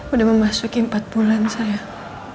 udah memasuki empat bulan saya